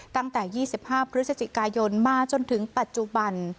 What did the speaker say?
ตั้งแต่ยี่สิบห้าพฤษจิกายรมาตรจนถึงปัจจุบัน